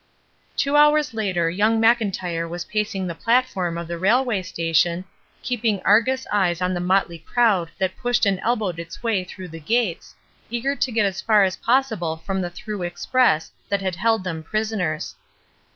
Two hours later young Mclntyre was pacing the platform of the railway station, keeping Argus eyes on the motley crowd that pushed and elbowed its way through the gates, eager to get as far as possible from the through express that had held them prisoners.